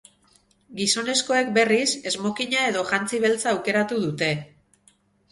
Gizonezkoek, berriz, smokina edo jantzi beltza aukeratu dute.